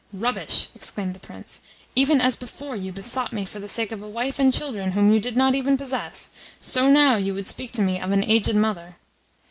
"Rubbish!" exclaimed the Prince. "Even as before you besought me for the sake of a wife and children whom you did not even possess, so now you would speak to me of an aged mother!"